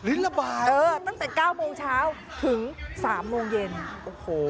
ระบายเออตั้งแต่เก้าโมงเช้าถึงสามโมงเย็นโอ้โห